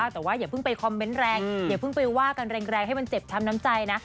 แต่ว่าอย่าเพิ่งไปคอมเมนต์แรงอย่าเพิ่งไปว่ากันแรงให้มันเจ็บช้ำน้ำใจนะ